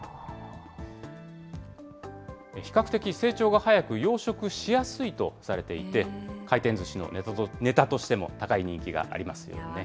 比較的成長が早く、養殖しやすいとされていて、回転ずしのねたとしても高い人気がありますよね。